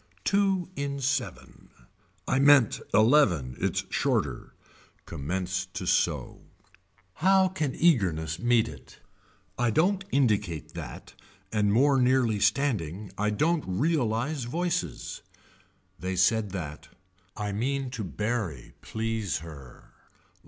Two in seven I meant eleven it's shorter. Commence to sew. How can eagerness meet it. I don't indicate that and more nearly standing I don't realize voices. They said that. I mean to bury please her.